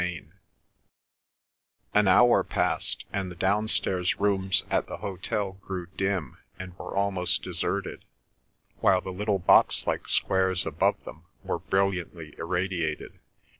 CHAPTER IX An hour passed, and the downstairs rooms at the hotel grew dim and were almost deserted, while the little box like squares above them were brilliantly irradiated.